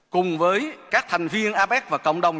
cùng với các thành viên apec và cộng đồng